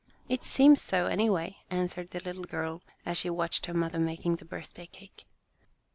"It seems so, anyway," answered the little girl, as she watched her mother making the birthday cake.